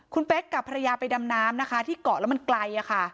คุณเป๊กกับภรรยาไปดำน้ำนะคะที่เกาะแล้วมันไกลค่ะ